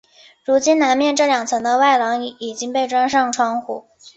如今南面这两层的外廊已经被装上窗户。